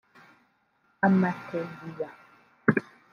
amategura